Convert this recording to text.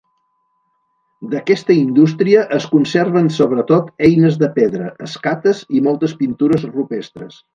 D'aquesta indústria es conserven sobretot eines de pedra, escates i moltes pintures rupestres.